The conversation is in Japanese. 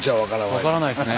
分からないっすね。